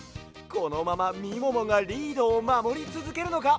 このままみももがリードをまもりつづけるのか？